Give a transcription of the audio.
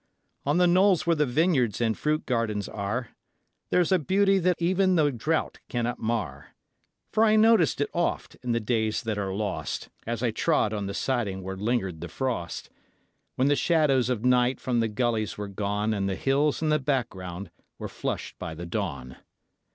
On the knolls where the vineyards and fruit gardens are There's a beauty that even the drought cannot mar; For I noticed it oft, in the days that are lost, As I trod on the siding where lingered the frost, When the shadows of night from the gullies were gone And the hills in the background were flushed by the dawn.